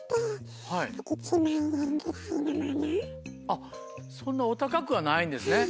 あっそんなお高くはないんですね。